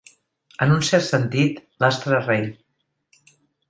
En un cert sentit, l'astre rei.